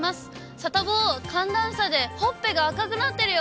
サタボー、寒暖差でほっぺが赤くなってるよ。